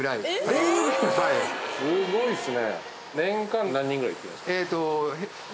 すごいっすね。